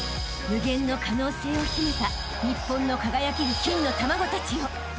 ［無限の可能性を秘めた日本の輝ける金の卵たちよ］